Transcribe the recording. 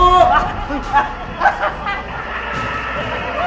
โอ๊ะ